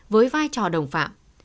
với vai trò đồng phạm